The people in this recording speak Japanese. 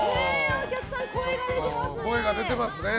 お客さん、声が出てますね！